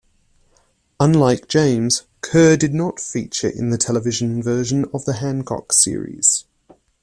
Unlike James, Kerr did not feature in the television version of the Hancock series.